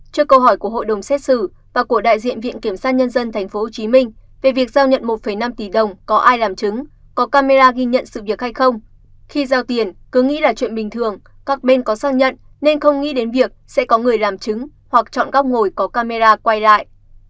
trước câu hỏi của hội đồng xét xử và của đại diện viện kiểm sát nhân dân tp hcm về việc giao nhận một năm tỷ đồng có ai làm chứng có camera ghi nhận sự việc hay không khi giao tiền cứ nghĩ là chuyện bình thường các bên có xác nhận nên không nghĩ đến việc sẽ có người làm chứng hoặc chọn góc ngồi có camera quay lại